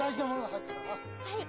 はい。